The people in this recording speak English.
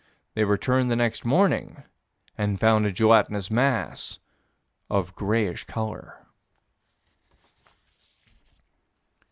They returned next morning and found a gelatinous mass of grayish color.